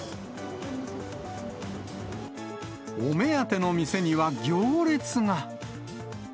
お目当ての店には行列が。